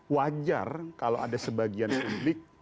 wajar kalau ada sebagian publik